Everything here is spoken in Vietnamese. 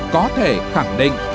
có thể khẳng định